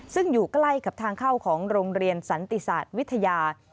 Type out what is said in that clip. ซึ่งอยู่ใกล้กับทางเข้าของโรงเรียนสันติศาสตร์วิทยา